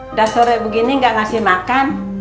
udah sore begini nggak ngasih makan